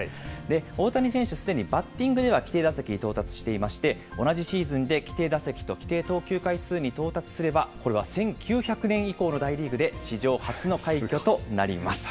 大谷選手、すでにバッティングでは規定打席、到達しておりまして、同じシーズンで規定打席と規定投球回数に到達すれば、これは１９００年以降の大リーグで史上初の快挙となります。